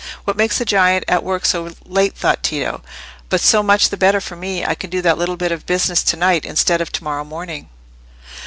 "What makes the giant at work so late?" thought Tito. "But so much the better for me. I can do that little bit of business to night instead of to morrow morning."